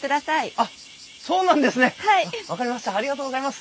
ありがとうございます！